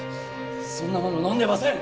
そんなもの飲んでません！